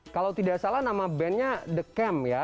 kalau tidak salah nama bandnya the camp ya